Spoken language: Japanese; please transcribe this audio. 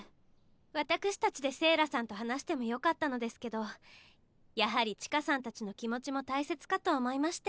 わたくしたちで聖良さんと話してもよかったのですけどやはり千歌さんたちの気持ちも大切かと思いまして。